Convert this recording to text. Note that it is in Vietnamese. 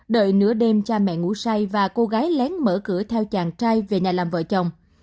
đợi nửa đêm cha mẹ ngủ say và cô gái lén mở cửa theo chàng trai về nhà làm vợ chồng